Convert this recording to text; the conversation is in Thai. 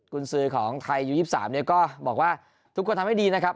คุณซื้อของไทยยู๒๓เนี่ยก็บอกว่าทุกคนทำให้ดีนะครับ